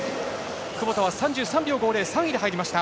窪田は３３秒５０、３位で入りました。